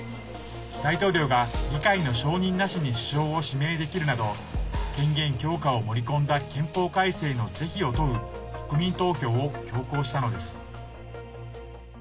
大統領が議会の承認なしに首相を指名できるなど権限強化を盛り込んだ憲法改正の是非を問う国民投票を強行したのです。